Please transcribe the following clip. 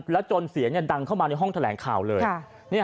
แล้วจนเสียงดังเข้ามาในห้องแถลงข่าวเลย